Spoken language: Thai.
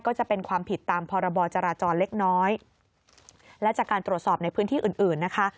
ก็จะเป็นความผิดตามพรบจราจรเล็กน้อยและจากการตรวจสอบในพื้นที่อื่นอื่นนะคะ